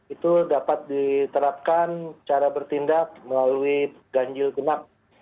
itu dapat diterapkan cara bertindak melalui ganjil genap